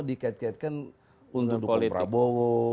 dikat kiatkan untuk dukung prabowo